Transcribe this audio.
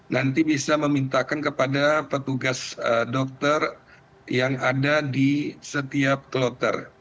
nanti bisa memintakan kepada petugas dokter yang ada di setiap kloter